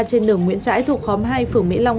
trên đường nguyễn trãi thuộc khóm hai phường mỹ long